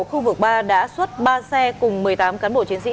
khu vực ba đã xuất ba xe cùng một mươi tám cán bộ chiến sĩ